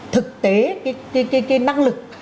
thực tế cái năng lực